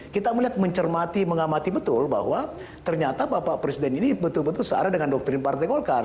kita melihat mencermati mengamati betul bahwa ternyata bapak presiden ini betul betul searah dengan doktrin partai golkar